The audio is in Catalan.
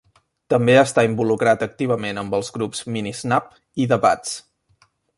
També està involucrat activament amb els grups Minisnap i The Bats.